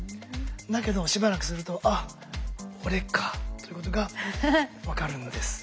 だけどしばらくすると「あっ俺か」ということが分かるんです。